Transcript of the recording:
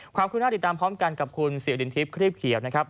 ความคุณภาพติดตามพร้อมกันกับคุณศรีอดินทริปครีบเขียวนะครับ